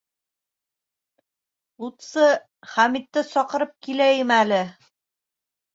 Лутсы Хәмитте саҡырып киләйем әле.